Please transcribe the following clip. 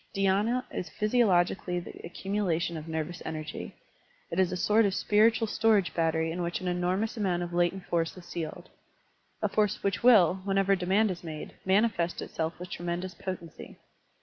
DhySna is physiologically the acctmiulation of nervous energy; it is a sort of spiritual storage battery in which an enormous amotmt of latent force is sealed, — a force which will, whenever demand is made, manifest itself with tremendous potency.